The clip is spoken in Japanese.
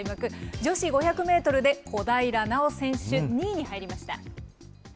女子５００メートルで小平奈緒選手、２位に入りました。